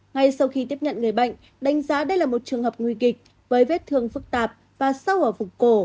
ngay sau khi tiếp nhận người bệnh đánh giá đây là một trường hợp nguy kịch với vết thương phức tạp và sâu ở vùng cổ